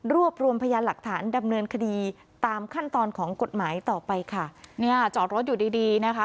รวมรวมพยานหลักฐานดำเนินคดีตามขั้นตอนของกฎหมายต่อไปค่ะเนี่ยจอดรถอยู่ดีดีนะคะ